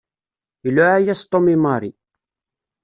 Iluɛa-yas Tom i Mary.